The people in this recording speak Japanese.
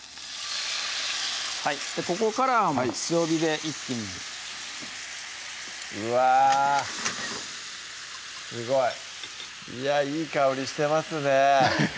ここからはもう強火で一気にうわすごいいやいい香りしてますね